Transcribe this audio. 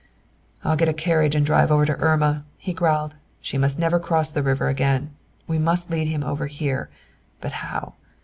"I'll get a carriage and drive over to Irma," he growled. "She must never cross the river again. We must lead him over here; but how?